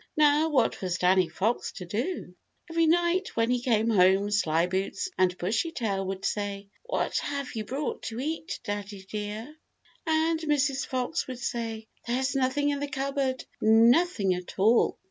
Now what was Danny Fox to do? Every night when he came home Slyboots and Bushytail would say, "What have you brought to eat, daddy dear?" And Mrs. Fox would say: "There is nothing in the cupboard; nothing at all!"